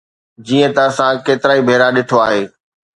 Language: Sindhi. جيئن ته اسان ڪيترائي ڀيرا ڏٺو آهي.